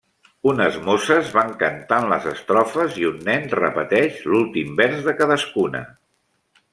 Unes mosses van cantant les estrofes i un nen repeteix l'últim vers de cadascuna.